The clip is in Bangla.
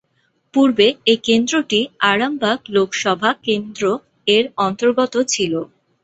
পূর্বে এই কেন্দ্রটি আরামবাগ লোকসভা কেন্দ্র এর অন্তর্গত ছিল।